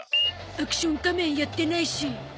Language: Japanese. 『アクション仮面』やってないし。